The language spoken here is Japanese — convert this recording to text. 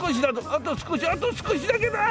あと少しあと少しだけあ！